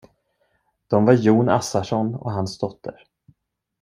De var Jon Assarsson och hans dotter.